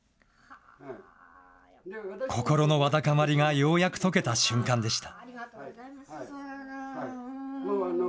心のわだかまりがようやく解けた瞬間でした。